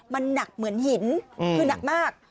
มันหนักเหมือนหินคือหนักมาก